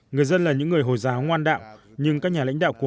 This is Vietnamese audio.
người dân là những người hồi giáo ngoan đạo